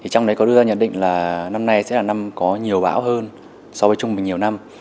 trong đấy có đưa ra nhận định là năm nay sẽ là năm có nhiều bão hơn so với trung bình nhiều năm